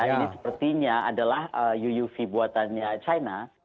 ini sepertinya adalah uuv buatannya china